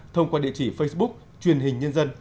thông qua địa chỉ facebook truyền hình nhân dân